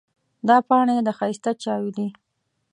دا پاڼې د ښایسته چایو دي.